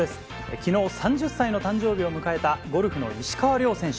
きのう３０歳の誕生日を迎えたゴルフの石川遼選手。